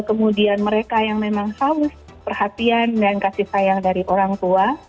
kemudian mereka yang memang haus perhatian dan kasih sayang dari orang tua